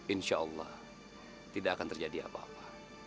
insya allah tidak akan terjadi apa apa